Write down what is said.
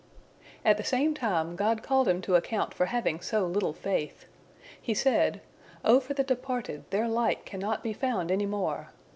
" At the same time God called him to account for having so little faith. He said: "O for the departed, their like cannot be found any more!